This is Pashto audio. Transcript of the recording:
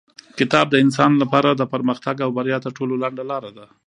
کتاب د انسان لپاره د پرمختګ او بریا تر ټولو لنډه لاره ده.